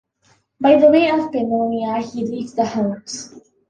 By the way of Pannonia, he reached the Huns.